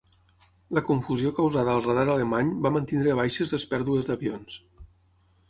La confusió causada al radar alemany va mantenir baixes les pèrdues d'avions.